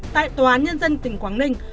tại tòa án nhân dân tỉnh quảng ninh